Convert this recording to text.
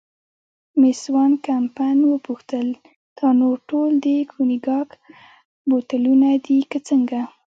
مېس وان کمپن وپوښتل: دا نور ټول د کونیګاک بوتلونه دي که څنګه؟